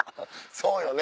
そうよね。